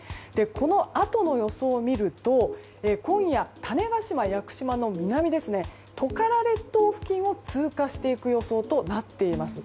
このあとの予想を見ると今夜、種子島、屋久島の南トカラ列島付近を通過していく予想となっています。